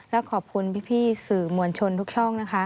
แล้วขอบคุณพี่สื่อมวลชนทุกช่อง